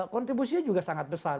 kontribusinya juga sangat besar